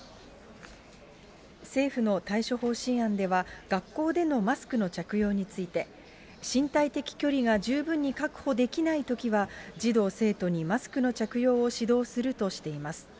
政府の対処方針案では、学校でのマスクの着用について、身体的距離が十分に確保できないときは児童・生徒にマスクの着用を指導するとしています。